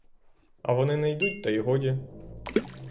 А вони не йдуть та й годі!